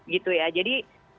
gitu ya jadi